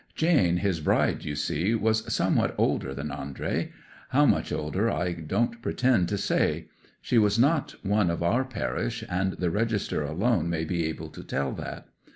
Jane, his bride, you see, was somewhat older than Andrey; how much older I don't pretend to say; she was not one of our parish, and the register alone may be able to tell that.